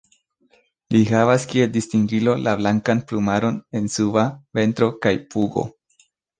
Li havas kiel distingilo la blankan plumaron en suba ventro kaj pugo.